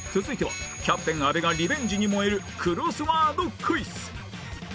続いてはキャプテン阿部がリベンジに燃えるクロスワードクイズ